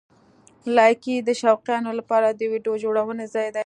لایکي د شوقیانو لپاره د ویډیو جوړونې ځای دی.